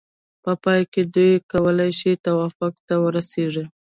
په پای کې دوی کولای شي توافق ته ورسیږي.